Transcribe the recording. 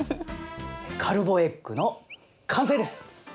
カルボエッグの完成です！